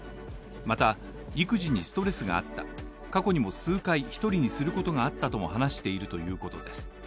また育児にストレスがあった、過去にも数回、一人にすることがあったとも話しているということです。